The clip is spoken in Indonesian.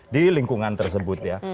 di lingkungan tersebut ya